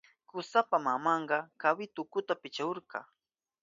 Kusanpa mamanka kawitu ukuta pichahurka.